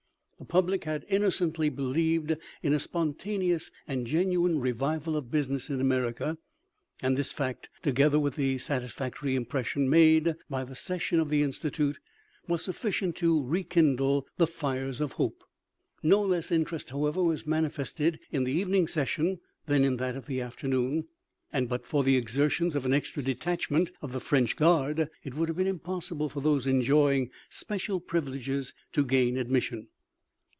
The public had innocently believed in a spontaneous and genuine revival of business in America, and this fact, together with the satisfactory impression made by the session of the Institute, was sufficient to rekindle the fires of hope. No less interest, however, was manifested in the even ing session than in that of the afternoon, and but for the exertions of an extra detachment of the French guard it would have been impossible for those enjoying Special privileges to gain admission.